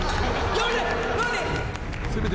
やめて。